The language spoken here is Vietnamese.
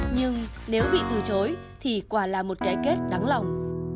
nhưng nếu bị từ chối thì quả là một kẻ kết đắng lòng